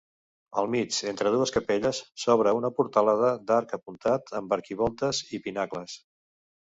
Al mig entre dues capelles s'obre una portalada d'arc apuntat amb arquivoltes i pinacles.